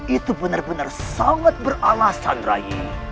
itu benar benar sangat beralasan raye